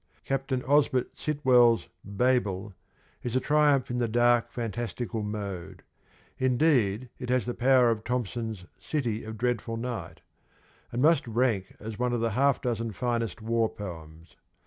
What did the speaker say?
Captain Osbert Sitwell's ' Babel ' is a triumph in the dark, fantastical mode (indeed it has the power of Thomson's ' City of Dreadful Night,') and must rank as one of the half dozen finest war poems.